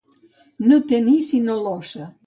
No tenir sinó l'ossa.